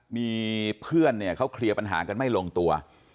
มีเพื่อนเนี่ยเขาเคลียร์ปัญหากันไม่ลงตัว